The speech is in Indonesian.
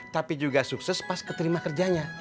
tapi juga sukses pas keterima kerjanya